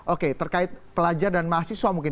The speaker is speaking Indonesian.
oke terkait pelajar dan mahasiswa mungkin